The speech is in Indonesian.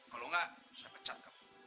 kalau enggak saya pecat kamu